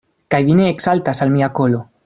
Kaj vi ne eksaltas al mia kolo!